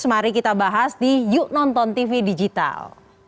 mari kita bahas di yuk nonton tv digital